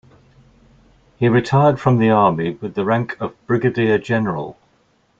He retired from the army with the rank of Brigadier General.